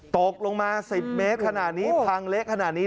ตกลงมา๑๐เมตรขนาดนี้พังเละขนาดนี้